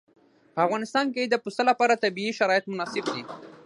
په افغانستان کې د پسه لپاره طبیعي شرایط مناسب دي.